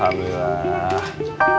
sampai jumpa lagi